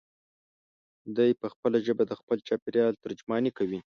دی په خپله ژبه د خپل چاپېریال ترجماني کوي.